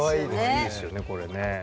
いいですよねこれね。